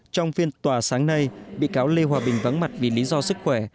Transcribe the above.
trong phiên tòa sáng nay bị cáo lê hòa bình vắng mặt vì lý do sức khỏe